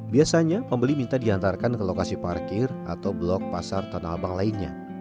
biasanya pembeli minta diantarkan ke lokasi parkir atau blok pasar tanah abang lainnya